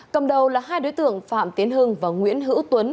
cầm đầu là hai đối tượng phạm tiến hưng và nguyễn hữu tuấn